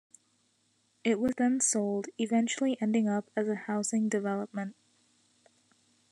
It was then sold, eventually ending up as a housing development.